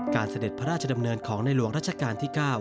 เสด็จพระราชดำเนินของในหลวงรัชกาลที่๙